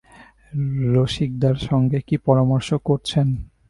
রসিকদার সঙ্গে কী পরামর্শ করছেন?